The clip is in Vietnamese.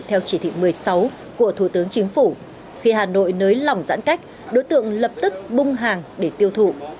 theo chỉ thị một mươi sáu của thủ tướng chính phủ khi hà nội nới lỏng giãn cách đối tượng lập tức bung hàng để tiêu thụ